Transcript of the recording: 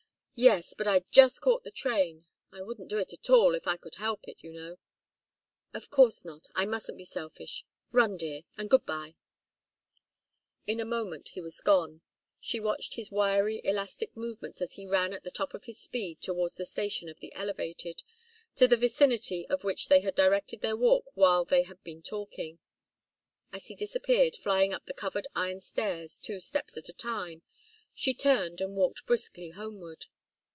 "Yes but I just caught the train I wouldn't do it at all, if I could help it, you know." "Of course not I mustn't be selfish. Run, dear and good bye!" In a moment he was gone. She watched his wiry, elastic movements as he ran at the top of his speed towards the station of the elevated, to the vicinity of which they had directed their walk while they had been talking. As he disappeared, flying up the covered iron stairs, two steps at a time, she turned and walked briskly homeward.